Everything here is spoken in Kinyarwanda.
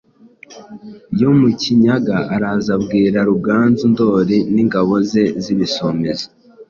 yo mukinyaga , araza abwira Ruganzu Ndoli n'ingabo ze z'ibisumizi